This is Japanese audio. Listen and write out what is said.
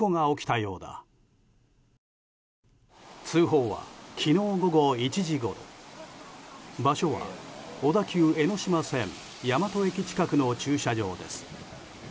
通報は昨日午後１時ごろ場所は小田急江ノ島線大和駅近くの駐車場です。